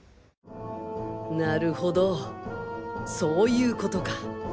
なるほどそういうことか。